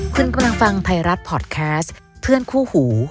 คุณกำลังฟังไทยรัฐพอร์ตแคสต์เพื่อนคู่หู